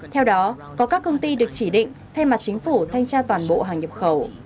theo đó có các công ty được chỉ định thay mặt chính phủ thanh tra toàn bộ hàng nhập khẩu